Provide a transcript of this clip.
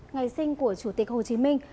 ngày sinh của chủ tịch hồ chí minh